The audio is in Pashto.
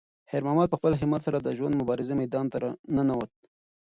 خیر محمد په خپل همت سره د ژوند د مبارزې میدان ته ننووت.